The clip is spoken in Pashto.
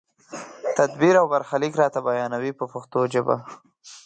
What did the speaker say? تدبیر او برخلیک راته بیانوي په پښتو ژبه.